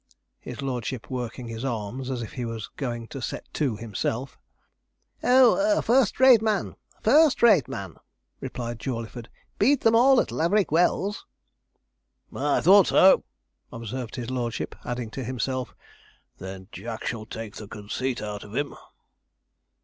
His lordship working his arms as if he was going to set to himself. 'Oh, a first rate man! first rate man!' replied Jawleyford; 'beat them all at Laverick Wells.' 'I thought so,' observed his lordship; adding to himself, 'then Jack shall take the conceit out of him.'